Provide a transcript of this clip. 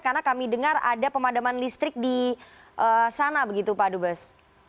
karena kami dengar ada pemadaman listrik di sana begitu pak dubes